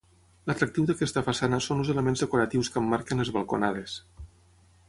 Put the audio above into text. L'atractiu d'aquesta façana són els elements decoratius que emmarquen les balconades.